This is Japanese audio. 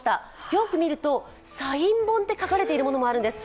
よく見るとサイン本と書かれているものもあるんです。